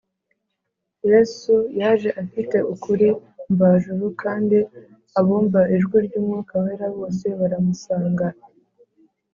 Yesu yaje afite ukuri mvajuru, kandi abumva ijwi ry’Umwuka Wera bose baramusanga